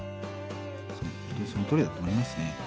本当にそのとおりだと思いますね。